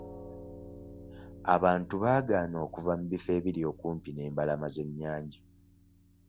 Abantu baagaana okuva mu bifo ebiri okumpi n'embalama z'ennyanja.